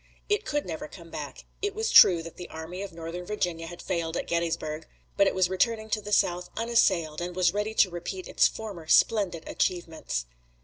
It could never come back. It was true that the Army of Northern Virginia had failed at Gettysburg, but it was returning to the South unassailed, and was ready to repeat its former splendid achievements.